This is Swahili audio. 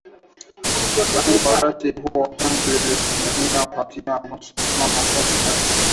Tangu wakati huo, pengo limesalia kati ya asilimia kumi na tisa na asilimia ishirini na sita, kwani kiwango cha juu cha idadi ya watu kilichangia